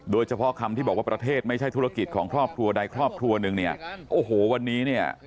โดยเฉพาะคำที่บอกว่าประเทศไม่ใช่ธุรกิจของครอบครัวใดครอบครัวหนึ่งเนี่ยโอ้โหวันนี้เนี่ย